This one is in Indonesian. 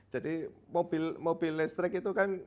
jadi mobil listrik itu kan